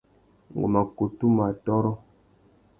Ngu mà kutu mù atôrô.